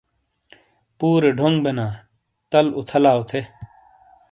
پورے ڈھونگ بینا تھل اُوتھلاؤتھے۔